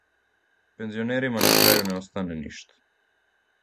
Пензионерима на крају не остане ништа.